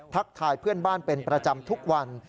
ทายเพื่อนบ้านเป็นประจำทุกวัน